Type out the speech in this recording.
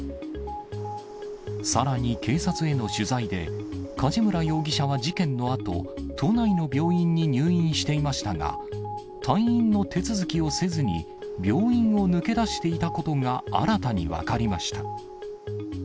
さらに、警察への取材で、梶村容疑者は事件のあと、都内の病院に入院していましたが、退院の手続きをせずに、病院を抜け出していたことが新たに分かりました。